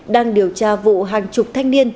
đang điều tra vụ hàng chục thanh niên